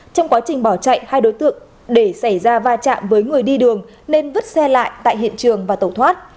trong quá trình bỏ chạy hai đối tượng để xảy ra va chạm với người đi đường nên vứt xe lại tại hiện trường và tẩu thoát